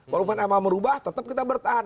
walaupun amal merubah tetap kita bertahan